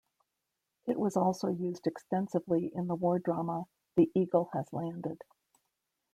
It was also used extensively in the war drama "The Eagle Has Landed".